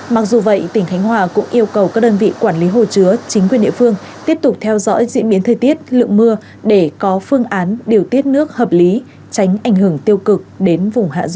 mặc dù vậy tỉnh khánh hòa cũng yêu cầu các đơn vị quản lý hồ chứa chính quyền địa phương tiếp tục theo dõi diễn biến thời tiết lượng mưa để có phương án điều tiết nước hợp lý tránh ảnh hưởng tiêu cực đến vùng hạ du